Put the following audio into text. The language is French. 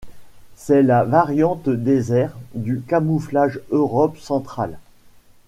C'est la variante désert du camouflage Europe centrale.